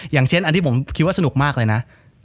อย่างเช่นอันที่ผมคิดว่าสนุกมากเลยนะ